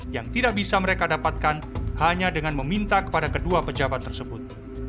yang tidak bisa mereka dapatkan hanya dengan meminta kepada kedua pejabat tersebut